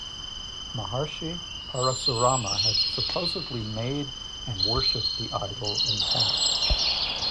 Maharshi Parasurama had supposedly made and worshipped the idol in past.